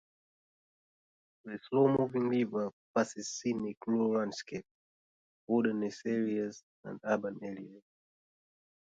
The slow moving river passes scenic rural landscapes, wilderness areas and urban areas.